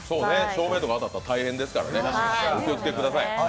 照明とか当たったら大変ですからね、お気をつけください。